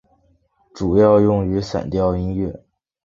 主要用于散调音乐。